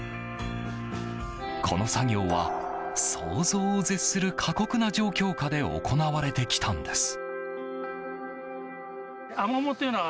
この作業は想像を絶する過酷な状況下で行われてきたんです。